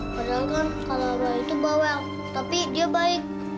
padahal kan kak laura itu bawel tapi dia baik